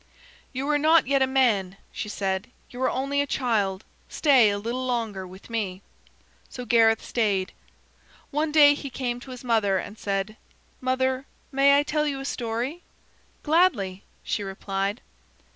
"You are not yet a man," she said. "You are only a child. Stay a little longer with me." So Gareth stayed. One day he came to his mother and said: "Mother, may I tell you a story?" "Gladly," she replied.